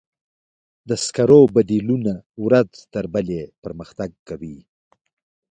د سکرو بدیلونه ورځ تر بلې پرمختګ کوي.